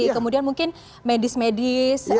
kemudian mungkin medis medis